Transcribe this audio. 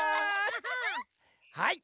はい。